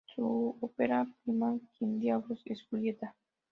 Su ópera prima "¿Quien diablos es Juliette?